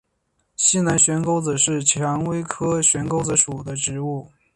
西南悬钩子是蔷薇科悬钩子属的植物。